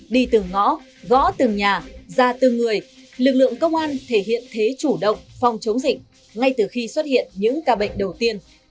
đi từ ngõ gõ từng nhà ra từng người lực lượng công an thể hiện thế chủ động phòng chống dịch ngay từ khi xuất hiện những ca bệnh đầu tiên